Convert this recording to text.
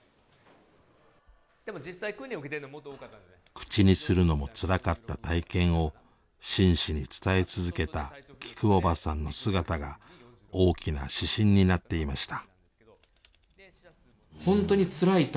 口にするのもつらかった体験を真摯に伝え続けたきくおばさんの姿が大きな指針になっていました。